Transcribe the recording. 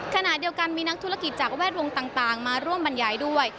ขณะเดียวกันมีนักธุรกิจจากแวดวงต่างมาร่วมบรรยายด้วย